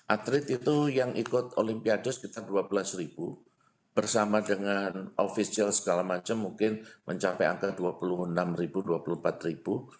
atlet itu yang ikut olimpiade sekitar dua belas ribu bersama dengan ofisial segala macam mungkin mencapai angka dua puluh enam ribu dua puluh empat ribu